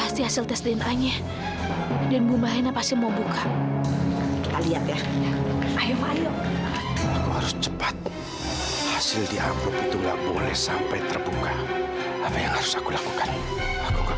sampai jumpa di video selanjutnya